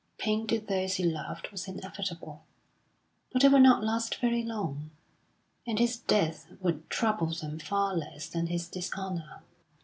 Pain to those he loved was inevitable, but it would not last very long; and his death would trouble them far less than his dishonour.